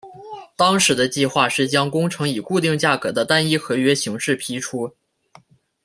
当时的计划是将工程以固定价格的单一合约形式批出。